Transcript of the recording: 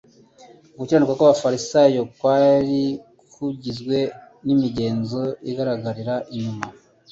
Gukiranuka kw'abafarisayo kwari kugizwe n'imigenzo igaragarira inyuma